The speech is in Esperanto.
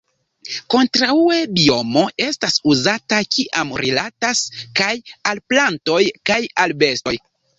Kontraŭe biomo estas uzata kiam rilatas kaj al plantoj kaj al bestoj.